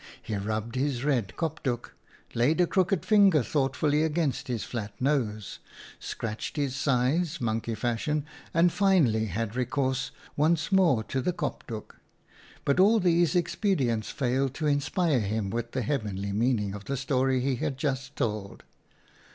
He rubbed his red kopdoek, laid a crooked finger thought fully against his flat nose, scratched his sides, monkey fashion, and finally had recourse once more to the kopdoek. But all these expedients failed to inspire him with the heavenly meaning of the story he had just told.